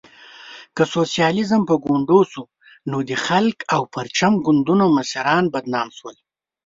که سوسیالیزم په ګونډو شو، نو د خلق او پرچم ګوندونو مشران بدنام شول.